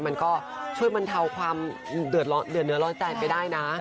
มันก็ช่วยบรรเทาความเดือดเนื้อร้อนใจไปได้นะ